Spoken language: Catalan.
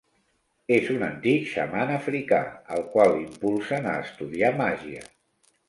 És un antic xaman africà, el qual impulsen a estudiar màgia.